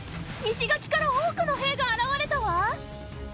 石垣から多くの兵が現れたわ！